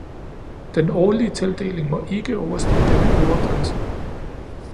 Den årlige tildeling må ikke overstige denne øvre grænse.